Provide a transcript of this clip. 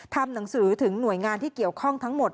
ทำหนังสือถึงหน่วยงานที่เกี่ยวข้องทั้งหมด